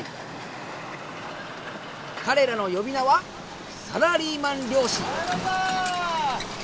彼らの呼び名はサラリーマン漁師。